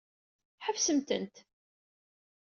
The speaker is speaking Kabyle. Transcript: Ḥebsemt-tent.